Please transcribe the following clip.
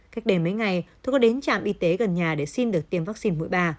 cách đây mấy ngày tôi có đến trạm y tế gần nhà để xin được tiêm vaccine mũi ba